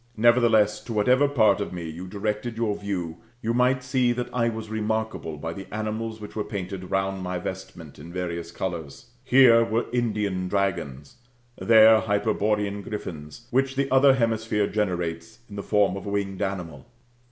Nevertheless, to whatever part of me you directed your view, you might see that I was remarkable by the animals which were painted round my vestment in various colours. Here were Indian dragons, there Hyperborean griffins, which the other hemisphere generates in the form of a winged animal.